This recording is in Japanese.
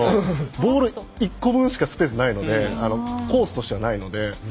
ポール１個分しかスペースないのでコースとしてはないので。